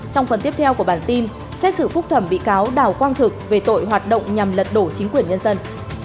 trong phần tiếp theo của bản tin xét xử phúc thẩm bị cáo đào quang thực về tội hoạt động nhằm lật đổ chính quyền nhân dân